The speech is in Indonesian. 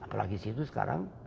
apalagi situ sekarang